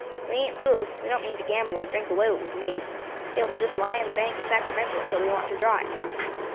We ain't fools; we don't mean to gamble or drink away what we have made; it will just lie in the bank at Sacramento until we want to draw it.